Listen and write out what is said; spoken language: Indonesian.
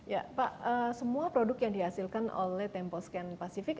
ya pak semua produk yang dihasilkan oleh temposcan pacific